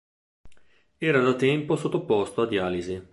Era da tempo sottoposto a dialisi.